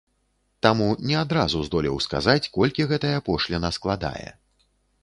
Таму не адразу здолеў сказаць, колькі гэтая пошліна складае.